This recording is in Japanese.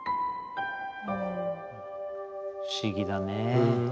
不思議だね。